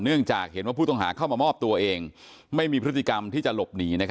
เนื่องจากเห็นว่าผู้ต้องหาเข้ามามอบตัวเองไม่มีพฤติกรรมที่จะหลบหนี